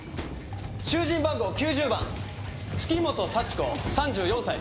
囚人番号９０番月本幸子３４歳。